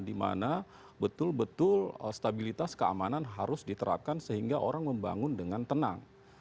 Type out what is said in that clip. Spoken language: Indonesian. dimana betul betul stabilitas keamanan harus diterapkan sehingga orang membangun dengan tenang